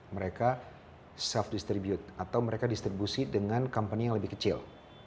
mereka self distribute atau mereka distribusi dengan company yang lebih kecil